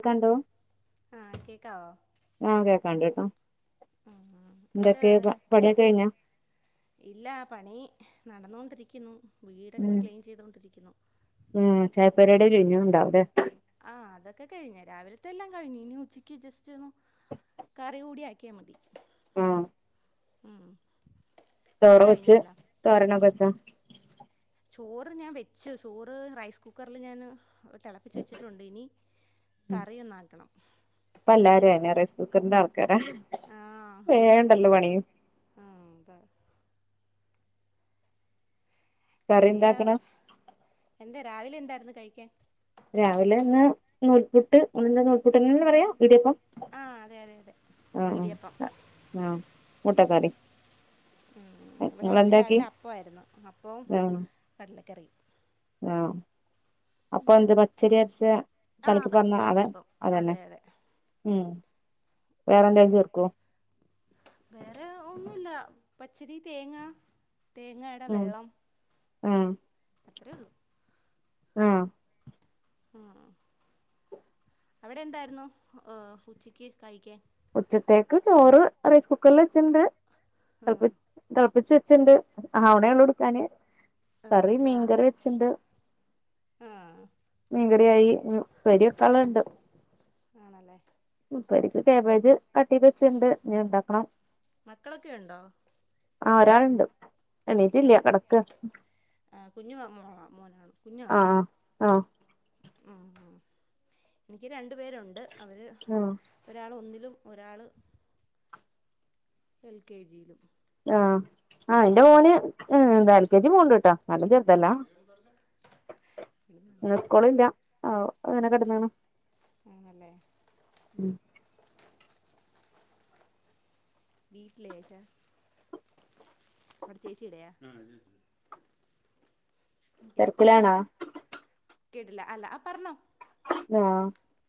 ക്കണ്ടോ ആഹ് കേക്കാവോ ആഹ് കേക്കാണ്ട് കേട്ടോ ആഹ് എന്തൊക്കെ എന്താവേറെ പണിയൊക്കെ കഴിഞ്ഞോ ഇല്ല പണി നടന്നോണ്ടിരിക്കുന്നു വീടൊക്കെ ഉം ക്ലീൻ ചെയ്തോണ്ടിരിക്കുന്നു ഉം ചായപ്പരിവാടി കഴിഞ്ഞീണ്ടാവുല്ലേ ആഹ് അതൊക്കെ കഴിഞ്ഞ് രാവിൽത്തെല്ലാം കഴിഞ്ഞ് ഇനി ഉച്ചക്ക് ജസ്റ്റ് ഒന്ന് കറി കൂടി ആക്കിയാ മതി ഉം ഉം അവിടെ ചോറ് കഴിഞ്ഞോ വെച്ച് എല്ലാം തോരനൊക്കെ വെച്ചോ ചോറ് ഞാൻ വെച്ച് ചോറ് റൈസ് കുക്കറിൽ ഞാന് തെളപ്പിച്ച് വെച്ചിട്ടുണ്ട് ഇനി കറി ഒന്ന് ആക്കണം ഇപ്പ എല്ലാരും അത് തന്നെയാ റൈസ് കുക്കറിന്റെ ആൾക്കാരാ ആഹ് വേഗം ഉണ്ടല്ലോ പണി ആഹ് അതാ കറി ചെറിയ എന്താക്കണം എന്താ രാവിലെ എന്തായിരുന്നു കഴിക്കാൻ രാവിലെ ഇന്ന് നൂൽപുട്ട് അവിടെയെല്ലാം നൂൽപുട്ട് എങ്ങനെയാണ് പറയാ ഇടിയപ്പം ആഹ് അതെ അതെ അതെ ഇടിയപ്പം ഉം മുട്ട കറിയും ഉം ഇവിടെ രാവിലെ അപ്പവായിരുന്നു അപ്പവും കടലക്കറിയും ആഹ് അപ്പൊ എന്ത് പച്ചരി അരച്ച ആ കലക്കി പാറന്ന പച്ചരി അതെ അരച്ചപ്പം അതന്നെ അതെ അതെ ഉം വേറെന്തേലും ചേർക്കോ ഉം വേറെ ഒന്നൂല്ല പച്ചരി തേങ്ങ തേങ്ങയുടെ ഉം വെള്ളം ആ അത്രേ ഒള്ളൂ ആഹ് ആഹ് അവിടെ എന്തായിരുന്നു ഉച്ചക്ക് കഴിക്കാൻ ഉച്ചത്തേക്ക് ചോറ് റൈസ് കുക്കറിൽ വെച്ചിണ്ട് ഉം. തെളപ്പി തെളപ്പിച്ച് വെച്ചിണ്ട് ആവണേ ഒള്ളൂ എടുക്കാന് ആ, കറി ഇവിടെ മീൻകറി ആവില്ല വെച്ചിട്ടുണ്ട് ആ മീൻകറിയായി ഇനി ഉപ്പേരി വെക്കാനുള്ളതുണ്ട് ആണല്ലേ ഉപ്പേരിക്ക് കാബേജ് കട്ട് ചെയ്ത് വച്ചിണ്ട് ഇനി ഇണ്ടാക്കണം മക്കളൊക്കെ ഉണ്ടോ ആ ഒരാളുണ്ട് എണീറ്റില്ല എങ്- കെടക്കുവാ ആ കുഞ്ഞ് മോള മോനാണോ കുഞ്ഞാണോ ആഹ് ആഹ് ഉം ഉം എനിക്ക് രണ്ട് പേരുണ്ട് അവര് ആഹ് ഒരാള് ഒന്നിലും ഒരാള് എൽ കെ ജീലും. ആഹ് ആഹ് എന്റെ മോന് എന്താ എൽ കെ ജി പോണൊണ്ട് കേട്ടോ നല്ല ചെറുതല്ലാ ഇന്ന് സ്കൂളില്ലാ ആഹ് അങ്ങനെ കെടന്നതാണ്. ആണല്ലേ ഉം വീട്ടിലെയാ ഏട്ടാ അവടെ ചേച്ചിടെയാ ആ ചേച്ചീടെ പിന്നെ തിരക്കിലാണോ കേട്ടില്ല അല്ല ആഹ് പറഞ്ഞോ ആഹ്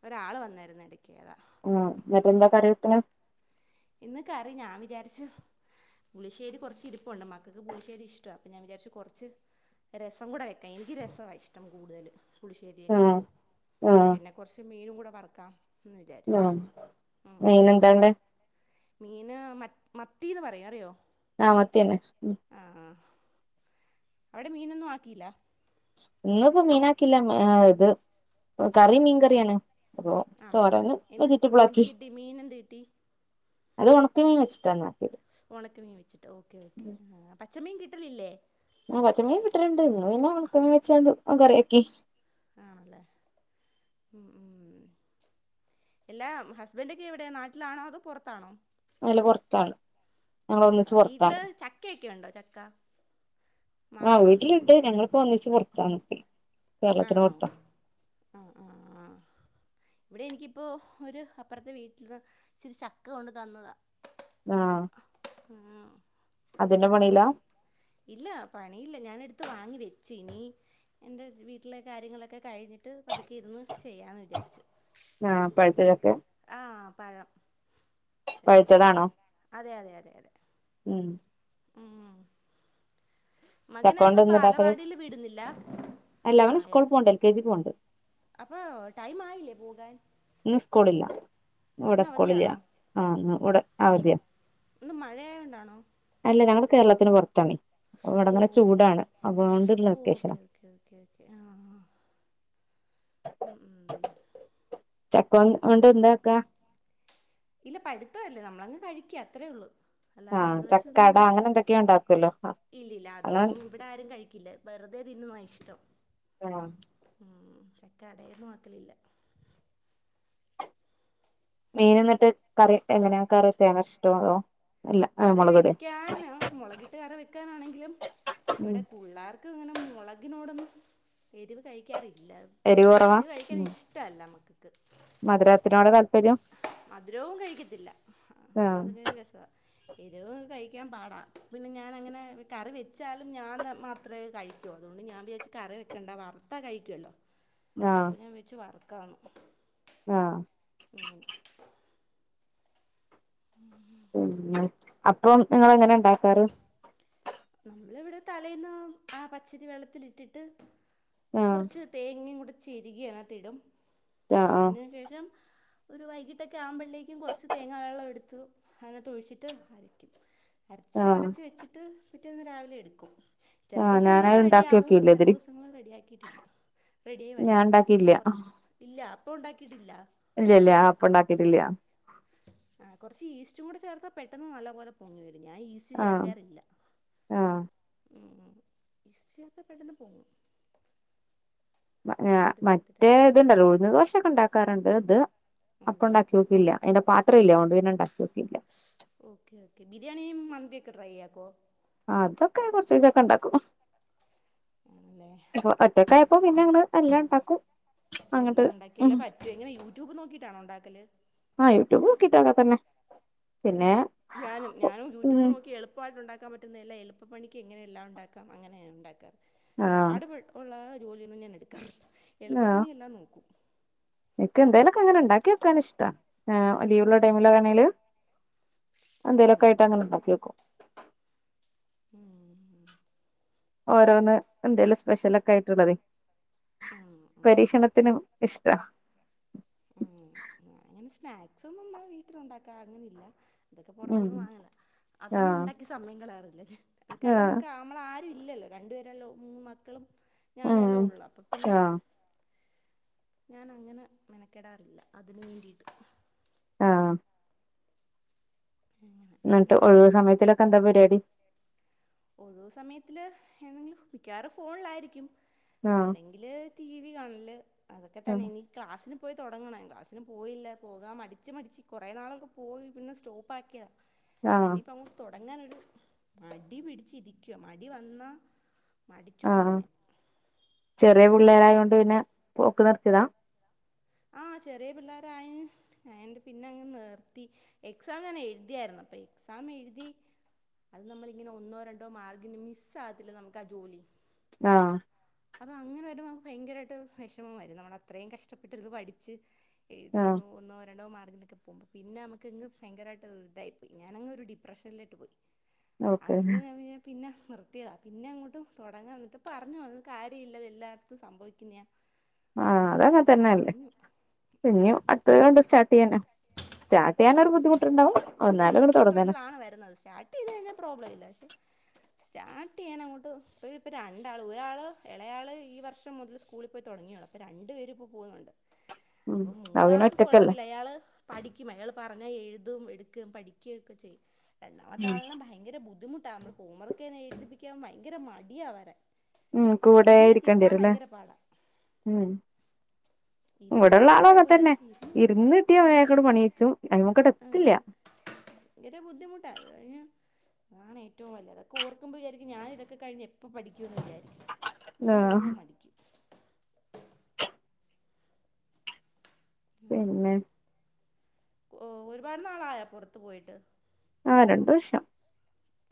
ഒരാള് വന്നാരുന്ന് എടക്ക് അതാ ആഹ് എന്നിട്ടെന്താ കറി വെക്കണേ ഇന്ന് കറി ഞാൻ വിചാരിച്ച് പുളിശ്ശേരി കൊറച്ചിരിപ്പുണ്ട് മക്കക്ക് പുളിശ്ശേരി ഇഷ്ടവാ അപ്പൊ ഞാൻ വിചാരിച്ച് കൊറച്ച് രസം കൂടെ എനിക്ക് രസവാ ഇഷ്ടം കൂടുതല് പുളിശ്ശേരിയേക്കാട്ടി ആഹ് ആഹ് പിന്നെ കൊറച്ച് മീനും കൂടെ വറുക്കാം എന്ന് വിചാരിച്ചു ആഹ് ഉം മീനെന്താ ഉള്ളേ മീന് മത്ത് മത്തീന്ന് പറയും അറിയോ ആഹ് മത്തി തന്നെ ഉം ആഹ് ആഹ് അവിടെ മീനൊന്നും ആക്കീല്ല ഇന്നിപ്പോ മീനാക്കിയില്ല ഇത് കറി മീൻ കറിയാണ് അപ്പോ ആണോ തോരൻ എൻ എന്ത് വെജിറ്റബിളാക്കി കിട്ടി മീൻ എന്ത് കിട്ടി അത് ഒണക്കമീൻ വച്ചിട്ടാണ് ആക്കിയത് ഒണക്ക മീൻ വച്ചിട്ട് ഓക്കെ ഓക്കേ പച്ചമീൻ കിട്ടലില്ലേ പച്ചമീൻ കിട്ടല്ണ്ട് ഇന്ന് പിന്നെ ഒണക്കമിംവെച്ച്ങ്ങാണ്ട് കറ്യാക്കി. ആണല്ലേ ഉം ഉം. എല്ലാ ഹസ്ബൻഡൊക്കെ എവിട്യാ നാട്ടിലാണോ അതോ പൊറത്താണോ? അല്ല പുറത്താണ് ഞങ്ങൾ പൊറത്താ, ഒന്നിച്ച് വീട്ട്ല് പുറത്താണ് ചക്കയൊക്കെയൊണ്ടോ ചക്ക. ആഹ് മാങ്ങ വീട്ട്ല്ണ്ട് ഞങ്ങള്പ്പോ ഒന്നിച്ച് പൊറത്താണ്. ആണോ? ആ ആ [inaudible] ആ ഇവടെ എനിക്കിപ്പോ ഒര് അപ്പൊറത്തെ വീട്ടിന്ന് ഇച്ചിരി ചക്ക കൊണ്ട് തന്നതാ. ആഹ്. [unintelligible] അത് ന്റെ പണീലാ? ഇല്ല പണീല്ല ഞാനെടുത്ത് വാങ്ങി വെച്ച് ഇനി എൻ്റെ വീട്ടിലെ കാര്യങ്ങളൊക്കെ കഴിഞ്ഞിട്ട് ട്ട് പതുക്കൊയിര്ന്ന് ചെയ്യാന്ന് വിചാര്ച്ച്. ആ പഴുത്ത ചക്ക ആ പഴം, ചക്കപ്പഴവാ പഴുത്തതാണോ അതെ അതെ അതെ അതെ. ഉം. ചക്ക കൊണ്ട് മകനേപ്പൊ ബാലവാടില് വിടുന്നില്ല? എല്ലാ അവന്സ്കൂൾ പോണ്ട് എൽ കെ ജീ പോണ്ട്. അപ്പൊ ടൈമായിലേ പോകാൻ? ഇന്ന് സ്കൂളില്ല ഇന്ന് അവധിയാ സ്കൂളില്ല അവധിയാണോ ആഹ് അവധിയാ അവധ്യാ. ഇന്ന് മഴയയായോണ്ടാണോ? അല്ല ഞങ്ങള് കേരളത്തിന് പൊറത്താണേ ഓ ഇവടങ്ങനെ ചൂടാണ് അതൊണ്ട്ള്ള വെക്കേഷനാ. ഓക്കേ ഓക്കെ ആഹ്. ഉം ഉം. ചക്കോം ഓണ്ട് എന്താക്കാ? ഇല്ല പഴുത്തതല്ലേ നമ്മളങ്ങ് കഴിക്ക്യ അത്രേയ്ള്ളൂ. അല്ലാതെ ആഹ് അത് ചക്കട വെച്ചൊന്നുന്ന്, അങ്ങനെ എന്തൊക്കെയോ ഉണ്ടാക്കുവല്ലോ ഇല്ലില്ല അങ്ങനെ അതൊന്നും ഇവ് ടാരും കഴിക്കില്ല വെറുതെ തിന്നുവാ ഇഷ്ടം. ആഹ്. ഉം ചക്ക കടേന്ന് മാക്കലില്ല. മീന് ന്ന്ട്ട് കറി എങ്ങനേ കറി തേങ്ങര്ച്ചിട്ടോ അതോ അല്ല കറി മുളകിടേ വെക്കാനും മൊളകിട്ട് കറി വെക്കാനാണെങ്കിലും ഉം ഇവിടെ പുള്ളാർ ക്ക്ങ്ങനെ മൊളകിനോടൊന്നും എരിവ് കഴിക്കാറില്ല എരിവ് കഴിക്കാൻ ഇഷ് ട്ടല്ല മ്മക്ക് ക്ക് മത് രത്തിനോട് [inaudible] മധുരവും കഴിക്കത്തില്ല ആ എന്നാ ആഹ് അതിനൊരു രസാ എരിവ് കഴിക്കാൻ പാടാ പിന്നെ ഞാനങ്ങനെ കറി വെച്ചാലും ഞാന് മാത്രേ കഴി [inaudible] അതുകൊണ്ട് ഞാ വിചാരിച്ചു കറി വെക്കണ്ട വറുത്താ കഴിക്കുവല്ലോ [inaudible] അപ്പൊ ഞാ വെച്ച് വർക്കാന്ന് ആഹ് അങ്ങനെ ഉം അപ്പം ഇങ്ങള് എങ്ങനെ ഇണ്ടാക്കാറ്. നമ്മള് വിടെ തലേന്ന് ആഹ് പച്ചരി വെള്ളത്തിലിട്ടിട്ട് ആഹ് കൊർച്ച് തേങ്ങികൂടെ ചെരികി അതിനാത്ത് ഇടും ആഹ് ആഹ് അതിന് ശേഷം ഒരു വൈകിട്ടൊക്കെ ആവുമ്പോഴേക്കും കൊറച്ച് തേങ്ങാ വെള്ളം എടുത്തു അതിനാത്ത് ഒഴിച്ചിട്ട് അരകും. അരച്ച് ആഹ് അടച്ച് വെച്ചിട്ട് പിറ്റേന്ന് രാവിലെ എടുക്കും. ചെല ആഹ് ദിവസങ്ങളിക്കെ ഞാനത് ഉണ്ടാക്കി റെഡിയാവും നോക്കിയില്ല ചെല ഇതില് ദിവസങ്ങള് റെഡിയാക്കിയിട്ടില്ല. റെഡിയി ഞാൻ വരില്ല ഉണ്ടാക്കിയില്ല കൊർ ഇല്ല അപ്പോണ്ടാക്കീട്ടില്ല. ഇല്ലല്ലേ ആപ്പണ്ടാക്കീട്ടില്ല. ആഹ് കൊറച്ച് ഈസ്റ്റും കൂടെ ചേർത്താ പെട്ടെന്ന് നല്ല പോലെ പൊങ്ങി വരും ഞാൻ ഈസ്റ്റ്‌ ആഹ് ചേർക്കാറില്ല. ആഹ് ഉംഉം ഈസ്റ്റ്‌ ചേർത്ത പെട്ടെന്ന് പൊങ്ങും. വ ഈസ്റ്റ് ഏഹ് കൂടെ ചേർത്തിട്ട് മറ്റേ അരച്ചാൽ ഇത്ണ്ടല്ലോ ഉഴുന്ന് ദോശൊക്കെ ഇണ്ടാക്കാറുണ്ട് ഇത് എന്താ അപ്പണ്ടാക്ക്യോ ഇല്ല അയ്ന്റെ പാത്രില്ല അതോണ്ട് പിന്നെ ഇണ്ടാക്കി നോക്കിയില്ല. ഓക്കേ ഓക്കേ ബിരിയാണിയും മന്തിയൊക്കെ ട്രൈയ്യാക്കോ? അതൊക്കെ കൊർച്ചീച്ചൊക്കെണ്ടാക്കും ആണല്ലേ പ്പോ ഒറ്റക്കായ ഇപ്പോ പിന്നങ്ങട് എല്ലാം ഇണ്ടാകും. എല്ലാം ഒണ്ടാക്കിയാല്ലേ പറ്റു, എങ്ങനെ യൂട്യൂബ് നോക്കീട്ടാണോ ഒണ്ടാക്കല്? ആഹ് യൂട്യൂബ് നോക്കിട്ടൊക്കെ തന്നെ. പിന്നെ, ഞാനും ഞാനും യൂട്യൂബ് ഉം നോക്കി എളു എളുപ്പയിട്ട് ഉണ്ടാക്കാ പറ്റുന്നയെല്ലാ എളുപ്പപ്പണിക്ക് എങ്ങനെയെല്ലാണ്ടാക്കാം അങ്ങനെയാണ്ടാക്കാറ് ആഹ് പാടുപ്പെ ഉള്ളാ ജോലിയൊന്നും ഞാൻ എടുക്കാറില്ല എളുപ്പപ്പണിയെല്ലാം നോക്കും. ഇക്ക് എന്തെലൊക്കിങ്ങനെ ഇണ്ടാക്കി വെക്കാൻ ഇഷ്ടാ ഏഹ് ഉം ഉം ലീവുള്ള ടൈമിലാണേല് ഉം ഉം ഉം ഉം എന്തേലൊക്കായിട്ടങ്ങനെണ്ടാക്കിയോക്കും. ഉം. ഓരോന്ന് എന്തേലും സ്പെഷ്യലക്കായിട്ട് ഒള്ളതെ ആ ആ പരീക്ഷണ ത്തിനു ഇഷ്ട്ടാ. ഉം ഞാനങ്ങനെ സ്നാക്സൊന്നും ഒന്നും വീട്ടിലുണ്ടാക്കാ അങ്ങനില്ല. അതൊക്കെ ഉം പൊറത്ത്ന്ന് വാങ്ങലാ, ആഹ് അതൊന്നുണ്ടാക്കി സമയം കാളയാറില്ല ഞാൻ. അത് കാര്യം നമ്മക്ക് ആഹ് നമ്മളാരും ഇല്ലല്ലോ രണ്ടു പേരെല്ലോ മൂന്ന് മക്കളും ഞാനല്ലേ ഉം ഒള്ളൂ അപ്പം പിന്നെ ആഹ് ഞാനങ്ങനെ മെനക്കെടാറില്ല അതിന് വേണ്ടിയിട്ട്. ആഹ്. അങ്ങനെ എന്നിട്ട് ഒഴിവു സമയത്തിലൊക്കെന്താ പരിപാടി? ഒഴുവ് സമയത്തില് [unintelligible] മിക്കവാറും ഫോണിലായിരിക്കും ആഹ് അല്ലെങ്കിൽ ത്തില് ടിവി കാണ്ല് അതൊക്കെ തന്നെയിനി ക്ലാസിന് പോയി തൊടങ്ങണം. ക്ലാസ്സിന് പോയില്ല പോകാ മടിച്ച് മടിച്ച് കൊറേ നാളൊക്കെ പോയി പിന്നെ സ്റ്റോ [unintelligible] ആഹ് ഇനിപ്പങ്ങ് തൊടങ്ങാനൊരു മടി പിടിച്ചിരിക്കുവാ മടി വന്നാ മടിച്ചു പോവും ആഹ് ഞാൻ ചെറിയ പിള്ളേരായ കൊണ്ട് പിന്നെ പോക്ക് നിർത്തിയതാ. ആഹ് ചെറിയ പിള്ളോരയി ആഹ് എന്റെ പിന്നെ അങ്ങ് നിർത്തി, എക്സാം ഞാൻ എഴുതിയായിരുന്നു അപ്പൊ എക്സാം എഴുതി അത് നമ്മളിങ്ങനെ ഒന്നോ രണ്ടോ മാർഗിന് മിസ് ആകത്തില്ല നമുക്ക് ആ ജോലി. ആഹ്. അപ്പൊ അങ്ങനെ വരുമ്പോ നമുക്ക് ഭയങ്കരമായിട്ട് വിഷമം വരും നമ്മൾ അത്രയും കഷ്ടപ്പെട്ടിരുന്ന് പഠിച്ച്. എഴുതി ആഹ് ഒന്നോ ഒന്നോ രണ്ടോ മാർഗിനൊക്കെ [unintelligible] പിന്നെ നമുക്കെങ്ങ് ഭങ്കരയിട്ട് ഒരു ഇതായിപ്പോയി ഞാനങ്ങ് ഒരു ഡിപ്രഷനിലോട്ട് പോയി. ഓക്കെ അപ്പ്ൾ ഞാൻ പിന്നെ പിന്നെ നിർത്തിയതാ പിന്നെ അങ്ങോട്ടും തുടങ്ങൻ എന്നിട്ട് പറഞ്ഞു വന്ന കാര്യം ഇല്ലത് ഇത്‌ എല്ലായിടത്തും സംഭവിക്കുന്നതാ. ആഹ് അതങ്ങെ എല്ലാവരും തന്നെല്ലേ പറഞ്ഞു പിന്നെ അടുത്തത് കൊണ്ട് സ്റ്റാ [unintelligible] സ്റ്റാർട്ട് ചെയ്യാൻ ഒരു ബുദ്ധിമുട്ടുണ്ടാവും ഒന്നാലും അങ്ങ് തുടങ്ങാന്നാ. ആ വരുന്നത് സ്റ്റാ സ്റ്റാർട്ടിത് കഴിഞ്ഞ പ്രോബ്ലെമില്ല പക്ഷെ സ്റ്റാർട്ട് ചെയ്യൻ അങ്ങോട്ട് ഇപ്പ ഇപ്പ രണ്ടാള് ഒരാള് ഇളയാള് ഈ വർഷം മുതൽ സ്കൂളിൽ പോയി തുടങ്ങിയൊള്ളു അപ്പോ രണ്ട് പേര് ഇപ്പോ പോന്നുണ്ട് ഉം അപ്പൊ അത് പിന്നെ മൂത്താക്ക് കുഴ ഒറ്റക്കല്ലേ അയാള് പഠിക്കും അയാൾ പറഞ്ഞ എഴുതും എടുക്കും പഠിക്കുക ഒക്കെ ചെയ്യും രണ്ടാമത്തെ ആള ഭയ ഭയങ്കര ബുദ്ധിമുട്ടാണ് നമ്മ ഹോം വർക്ക്‌ എഴുതിപ്പിക്കാൻ ഭയങ്കര മടിയ അവരെ. ഉം കൂടെ ഇരിക്കേണ്ടി വരും അല്ലേ ഉം. ഇരുന്ന് ഇവിടൊള്ള കിട്ടിയാൽ ആളൊക്കെ കുഴപ്പമില്ല തന്നെ, പക്ഷെ കിട്ടാൻ ഇരുന്ന് കിട്ടിയ മതി അയാകൊട് പണിച്ചും അങ്ങോട്ടേക് എത്തില്ല. ഇതര് ബുദ്ധിമുട്ട അത് കഴിഞ്ഞു അതാണ് ഏറ്റവും വല്ല്യതാ. ക്കോർക്കുമ്പൊ വിചാരിക്കും ഞാനിതൊക്ക കഴിഞ്ഞ് എപ്പോ പഠിക്കുന്ന് വിചാരിക്കും. അങ്ങനെ ആഹ് ഓർക്കുമ്പോ മടിക്കും. ആഹ്, പിന്നെ ഓഹ്! ഒരുപാട് നാളായ പുറത്ത് പോയിട്ട്? ആഹ് രണ്ട് വർഷം.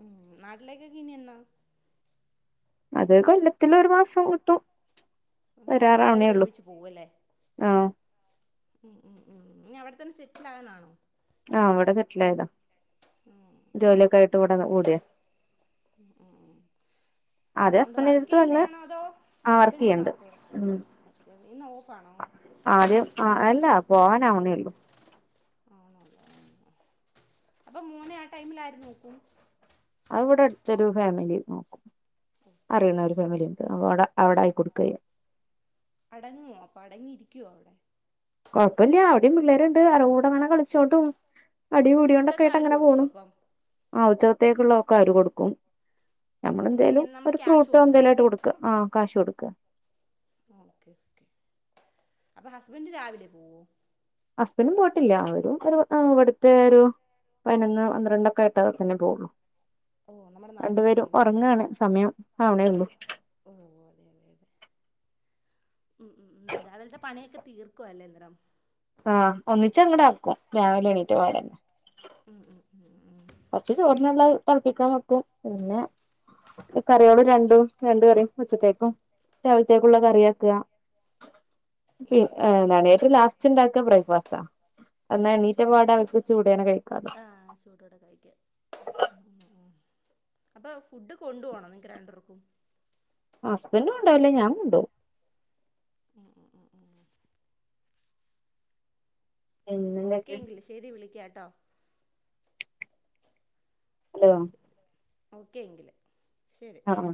ഉം, നാട്ടിലേക്കൊക്കെ ഇനി എന്നാ? അത് കൊല്ലത്തില് ഒരു മാസം കിട്ടും. ഉം, വരാറാവണേ എല്ലാരൂടെ ഉള്ളൂ ഒരുമിച്ച് പോവു അല്ലേ? ആഹ് ഉം ഉം ഉം, ഇനി അവിടെ തന്നെ സെറ്റില് ആകാനാണോ? ആഹ്, അവിടെ സെറ്റില് ആയതാ. ജോലിയൊക്കെ ആയിട്ട് ഇവിടെ ക ഓടിയാ. ഉം അഹ് ആഹ് ആദ്യം ഒണ്ട്, ഹസ്ബൻഡിന്റെ വർക്ക് അടുത്ത് വന്ന് ചെയ്യുന്നയാണോ അതോ ആ വർക്ക് ഹസ്ബൻഡന് ചെയ്യണ്ട് മാത്ര ഒള്ള ഉം ഹസ്ബെന്റിന് ഇന്ന് ഓഫാണോ? ആദ്യം ആഹ് അല്ല പോവാനാവ്ണേ ഉള്ളൂ. ആണോ [unintelligible] അപ്പം മോനെ ആ ടൈമില് ആര് നോക്കും? അത് ഇവിടെ അടുത്തൊരു ഫാമിലി നോക്കും. ഓക്കെ അറിയ്ണ ഒരു ഫാമിലി ഉണ്ട്. അപ്പോ അവിടെ അവിടെ ആയി കൊടുക്ക ചെയ്യാ. അടങ്ങോ, അപ്പോ അടങ്ങിയിരിക്കുവോ അവിടെ? കൊഴപ്പല്ല്യ, അവിടിം പിള്ളേരുണ്ട് അരോട അങ്ങനെ കളിച്ചോണ്ട് പോ. അടി കൂടികാണ്ടൊക്കെ ഫുഡൊക്കെ ആയിട്ട് അവര് അങ്ങനെ കൊടുക്കുവോ പോണും. അപ്പം ആഹ് ഉച്ചകത്തേക്കുള്ള ഒക്കെ അവര് കൊടുക്കും. നമ്മള് ഉം എന്തേലും ഇങ്ങനെ നമ്മള് ഒരു ക്യാഷ് ഫ്രൂട്ടോ കൊടുക്കണോ എന്തേലും ആയിട്ട് കൊടുക്ക. ആഹ് കാശ് കൊടുക്ക. ആഹ്, ഓക്കെ ഓക്കെ. അപ്പം ഹസ്ബൻഡ് രാവിലെ പോവോ? ഹസ്ബൻഡും പോയിട്ടില്ല, അവരും ഒരു ഏഹ് ഇവിടുത്തെ ഒരു പതിനൊന്ന് പന്ത്രണ്ടൊക്കെ ആയിട്ട തന്നെ പോവുള്ളൂ. ഓ നമ്മുടെ രണ്ടു നാട്ടിലെ പേരും ടൈം അല്ലേ ഒറങ്ങാണ്, സമയം ആവണേ ഉള്ളൂ. ഓഹ്, അതെ അതെ അതെ. ഉം ഉം ഉം രാവിലത്തെ പണിയൊക്കെ തീർക്കു അല്ലെ അന്നേരം. ആഹ്, ഒന്നിച്ച് അങ്ങട് ആക്കും രാവിലെ എണീറ്റ പാടെ ആഹ് ആഹ് ആഹ് ആഹ്. കൊറച്ച് ചോറിന്ള്ളത് തളപ്പിക്കാൻ വെക്കും, പിന്നെ. കറിയേള് രണ്ടും രണ്ട് കറിയും ഉച്ചത്തേക്കും രാവിലത്തേക്കുള്ള കറിയാക്ക ഏയ്, എന്താണ് ഏറ്റവും ലാസ്റ്റ് ണ്ടാക്ക ബ്രേക്ക്ഫാസ്റ്റാണ്. അന്ന എണീ ആണല്ലേ, ആഹ് ശ [unintelligible] അപ്പോ ഫുഡ് കൊണ്ട് ഓണൊ,? നിങ്ങക്ക് രണ്ട്ര്ക്കും. ഹസ്ബന്റ് കൊണ്ടോവൽല്ല, ഞാൻ കൊണ്ടോവും. ഉം ഉം ഉം ഉം ഓക്കെ പിന്നെന്തൊക്കെ എങ്കി ശരി. വിളിക്കാട്ടോ ഹലോ ശരി ഓക്കെ എങ്കില് ശരി ആഹ്